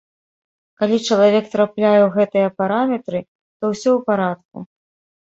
Калі чалавек трапляе ў гэтыя параметры, то ўсё ў парадку.